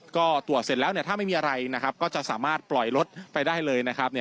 ก็ตรวจเสร็จแล้วเนี่ยถ้าไม่มีอะไรนะครับก็จะสามารถปล่อยรถไปได้เลยนะครับ